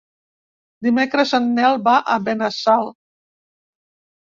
Dimecres en Nel va a Benassal.